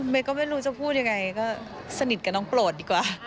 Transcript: ก็ไม่รู้จะพูดยังไงก็สนิทกับน้องโปรดดีกว่า